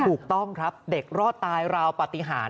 ถูกต้องครับเด็กรอดตายราวปฏิหาร